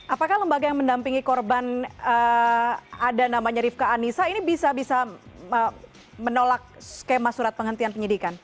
apakah lembaga yang mendampingi korban ada namanya rifka anissa ini bisa bisa menolak skema surat penghentian penyidikan